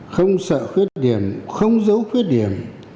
không sợ khuyết điểm không giấu khuyết điểm